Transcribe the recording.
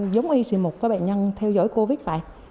giống như một bệnh nhân theo dõi covid vậy